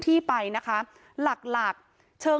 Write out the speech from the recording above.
ชุมชนแฟลต๓๐๐๐๐คนพบเชื้อ๓๐๐๐๐คนพบเชื้อ๓๐๐๐๐คน